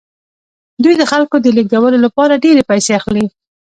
دوی د خلکو د لیږدولو لپاره ډیرې پیسې اخلي